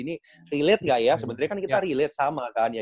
ini relate gak ya sebenarnya kan kita relate sama kan ya